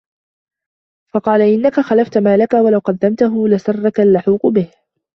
فَقَالَ إنَّك خَلَّفْتَ مَالَك وَلَوْ قَدَّمْتَهُ لَسَرَّك اللُّحُوقِ بِهِ